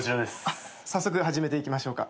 あっ早速始めていきましょうか。